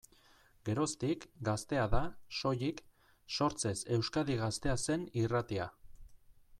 Geroztik, Gaztea da, soilik, sortzez Euskadi Gaztea zen irratia.